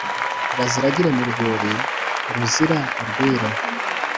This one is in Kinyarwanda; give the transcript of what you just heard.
Baziragire mu rwuri ruzira urwiri